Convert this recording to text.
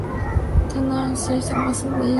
Taínos hizo masa de yucca y malanga.